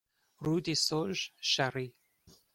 Route des Sauges, Charix